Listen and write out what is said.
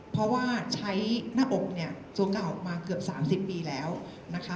เพราะว่าใช้หน้าอกเนี่ยสวมหน้าออกมาเกือบ๓๐ปีแล้วนะคะ